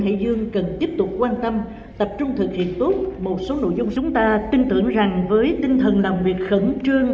hải dương cần tiếp tục quan tâm tập trung thực hiện tốt một số nội dung chúng ta tin tưởng rằng với tinh thần làm việc khẩn trương